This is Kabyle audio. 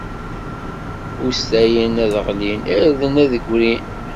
Ustayen ad ɣlin, irden ad d-grin.